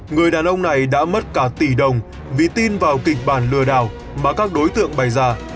người đàn ông này đã mất cả tỷ đồng vì tin vào kịch bản lừa đảo mà các đối tượng bày ra